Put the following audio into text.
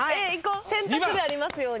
選択でありますように。